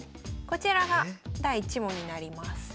こちらが第１問になります。